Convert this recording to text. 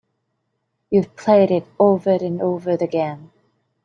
You've played it over and over again.